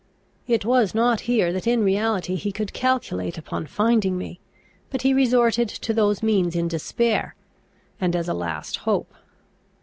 It was not here that in reality he could calculate upon finding me; but he resorted to those means in despair, and as a last hope.